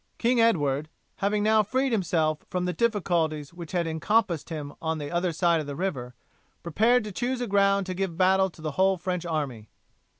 King Edward, having now freed himself from the difficulties which had encompassed him on the other side of the river, prepared to choose a ground to give battle to the whole French army.